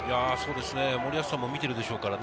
森保さんも見てるでしょうからね。